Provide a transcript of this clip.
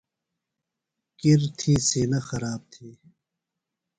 کِر تھی سِینہ خراب تھی۔